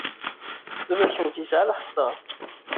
Baba-tkent yesɛa lḥeṭṭa.